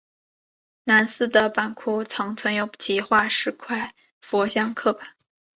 南寺的版库曾存有其画的十块佛像刻版。